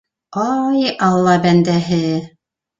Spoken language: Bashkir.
Ай, алла бәндәһе...